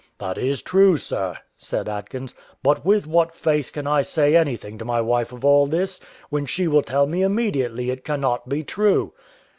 "That is true, sir," said Atkins; "but with what face can I say anything to my wife of all this, when she will tell me immediately it cannot be true?"